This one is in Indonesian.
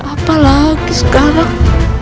apa lagi sekarang